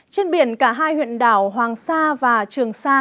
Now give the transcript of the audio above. trên biển cả hai huyện đảo hoàng sa và trường sa